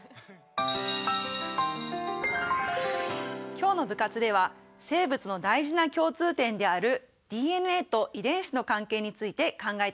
今日の部活では生物の大事な共通点であるＤＮＡと遺伝子の関係について考えてみました。